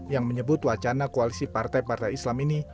yang menyebut wacana koalisi partai partai islam ini